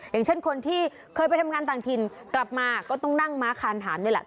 อย่างเช่นคนที่เคยไปทำงานต่างถิ่นกลับมาก็ต้องนั่งม้าคานหามนี่แหละ